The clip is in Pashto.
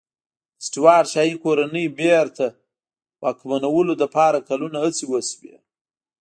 د سټیوراټ شاهي کورنۍ بېرته واکمنولو لپاره کلونه هڅې وشوې.